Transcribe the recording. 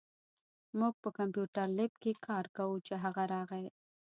مونږ په کمپیوټر لېب کې کار کوو، چې هغه راغی